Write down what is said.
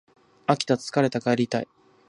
飽きた疲れた帰りたい